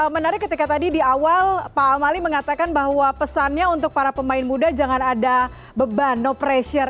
menarik ketika tadi di awal pak amali mengatakan bahwa pesannya untuk para pemain muda jangan ada beban no pressure